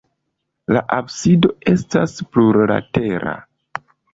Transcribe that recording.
La absido estas plurlatera.